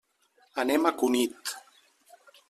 Anem a Cunit.